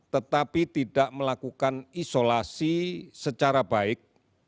tetapi tidak melakukan isolasi secara baik